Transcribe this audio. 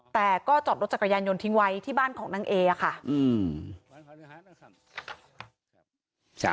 แต่ก็จอดรถจักรยานยนต์ทิ้งไว้ที่บ้านของนางเอค่ะ